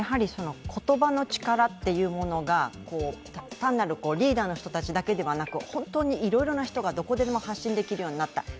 言葉の力というものが単なるリーダーの人たちだけではなく、本当にいろいろな人がどこでも発信できるようになった。